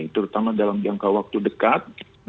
terutama dalam jangka waktu dekat